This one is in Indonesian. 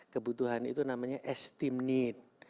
kebutuhan itu namanya esteem need